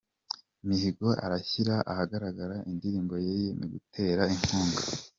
Mihigo arashyira ahagaragara indirimbo yemeye mu gutera inkunga